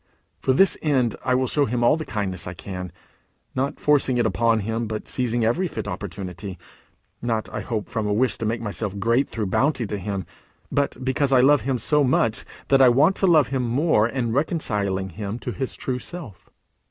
For this end I will show him all the kindness I can, not forcing it upon him, but seizing every fit opportunity; not, I hope, from a wish to make myself great through bounty to him, but because I love him so much that I want to love him more in reconciling him to his true self.